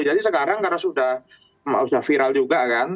jadi sekarang karena sudah viral juga kan